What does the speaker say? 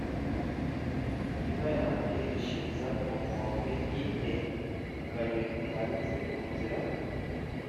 Inka yanjye irishiriza ku nkombe ntitembe-Akanyoni karitse ku nzira.